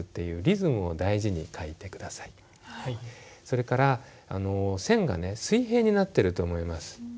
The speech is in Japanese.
それから線が水平になってると思います。